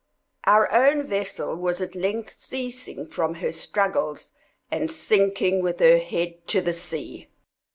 Our own vessel was at length ceasing from her struggles, and sinking with her head to the sea.